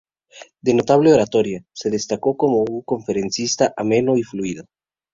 De notable oratoria, se destacó como conferencista ameno y fluido.